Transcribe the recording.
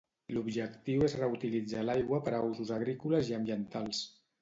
L'objectiu és reutilitzar l'aigua per a usos agrícoles i ambientals.